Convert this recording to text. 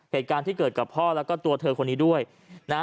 เหตุการณ์ที่เกิดกับพ่อแล้วก็ตัวเธอคนนี้ด้วยนะฮะ